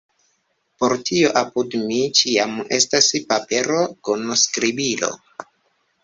Por tio apud mi ĉiam estas papero kun skribilo.